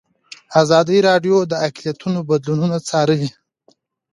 ازادي راډیو د اقلیتونه بدلونونه څارلي.